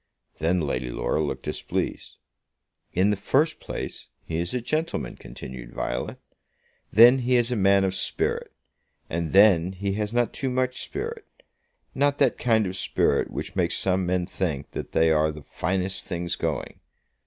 Then Lady Laura looked displeased. "In the first place, he is a gentleman," continued Violet. "Then he is a man of spirit. And then he has not too much spirit; not that kind of spirit which makes some men think that they are the finest things going.